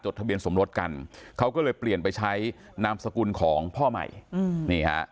ทะเบียนสมรสกันเขาก็เลยเปลี่ยนไปใช้นามสกุลของพ่อใหม่อืมนี่ฮะ